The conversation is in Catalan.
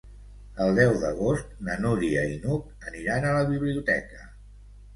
El deu d'agost na Núria i n'Hug aniran a la biblioteca.